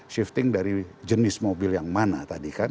shifting dari jenis mobil yang mana tadi kan